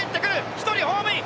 １人ホームイン！